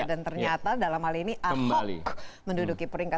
dan ternyata dalam hal ini ahok menduduki peringkat